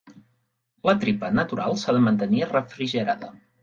La tripa natural s'ha de mantenir refrigerada.